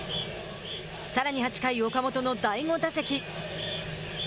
さらに８回、岡本の第５打席。